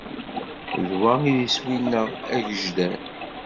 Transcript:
D wa i d iswi-nneɣ agejdan.